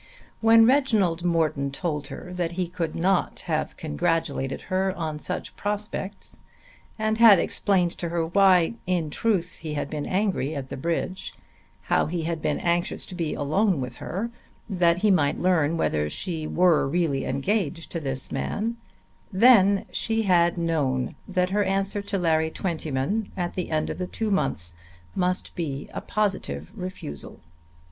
When Reginald Morton told her that he could not have congratulated her on such prospects, and had explained to her why in truth he had been angry at the bridge, how he had been anxious to be alone with her that he might learn whether she were really engaged to this man, then she had known that her answer to Larry Twentyman at the end of the two months must be a positive refusal.